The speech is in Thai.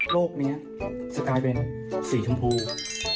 โลกนี้จะกลายเป็นสีชมพู